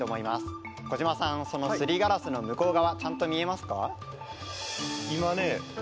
小島さんそのすりガラスの向こう側ちゃんと見えますか？